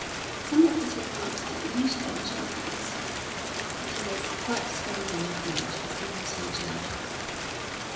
Some of his remarks had made her a little uneasy, and he was quite strong enough now to be seriously dealt with.